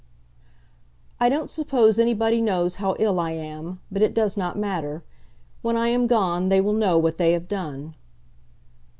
"I don't suppose anybody knows how ill I am; but it does not matter. When I am gone, they will know what they have done."